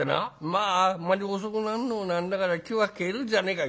まああんまり遅くなるのもなんだから『今日は帰ろうじゃねえかい。